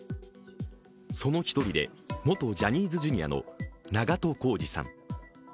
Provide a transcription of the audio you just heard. その１人で、元ジャニーズＪｒ．の長渡康二さん。